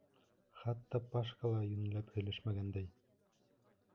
Хатта Пашка ла йүнләп һөйләшмәгәндәй.